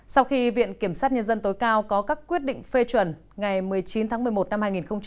sau khi viện kiểm sát nhân dân tối cao có các quyết định phê chuẩn ngày một mươi chín tháng một mươi một năm hai nghìn hai mươi